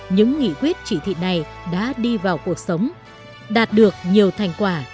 những nghị quyết chỉ thị này đã đi vào cuộc sống đạt được nhiều thành quả